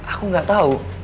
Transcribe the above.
aku gak tau